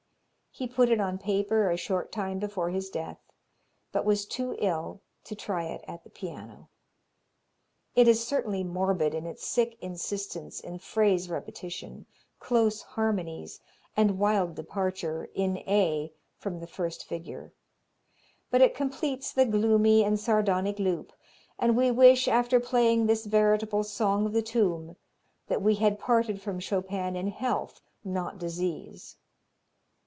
He put it on paper a short time before his death, but was too ill to try it at the piano. It is certainly morbid in its sick insistence in phrase repetition, close harmonies and wild departure in A from the first figure. But it completes the gloomy and sardonic loop, and we wish, after playing this veritable song of the tomb, that we had parted from Chopin in health, not disease.